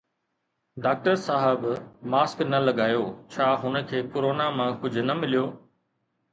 Doctor صاحب mask نه لڳايو، ڇا هن کي ڪرونا مان ڪجهه نه مليو؟